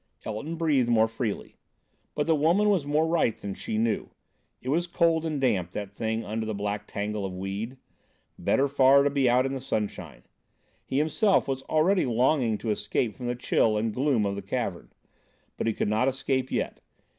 Elton breathed more freely. But the woman was more right than she knew. It was cold and damp, that thing under the black tangle of weed. Better far to be out in the sunshine. He himself was already longing to escape from the chill and gloom, of the cavern. But he could not escape yet.